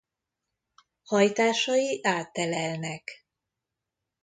Hajtásai áttelelnek.